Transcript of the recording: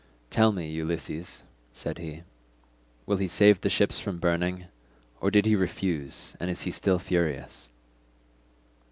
"Tell me, Ulysses," said he, "will he save the ships from burning, or did he refuse, and is he still furious?"